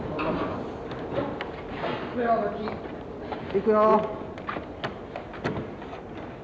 いくよ。